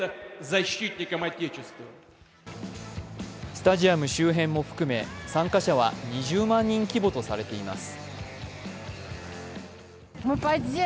スタジアム周辺も含め、参加者は２０万人規模とされています。